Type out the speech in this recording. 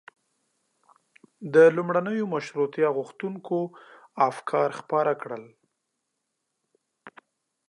د لومړنیو مشروطیه غوښتونکيو افکار خپاره کړل.